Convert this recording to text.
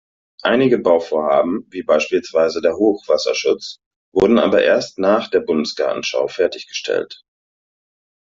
Einige Bauvorhaben, wie beispielsweise der Hochwasserschutz, wurden aber erst nach der Bundesgartenschau fertiggestellt.